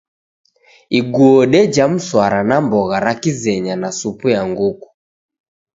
Iguo deja mswara na mbogha ra kizenya na supu ya nguku.